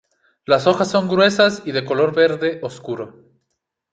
Las hojas son gruesas y de color verde oscuro.